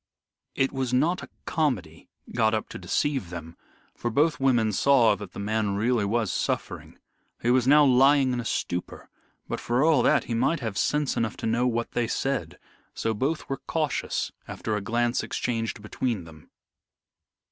It was not a comedy got up to deceive them, for both women saw that the man really was suffering. He was now lying in a stupor, but, for all that, he might have sense enough to know what they said, so both were cautious after a glance exchanged between them.